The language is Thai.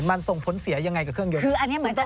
มันส่งผลเสียยังไงกับเครื่องยนต์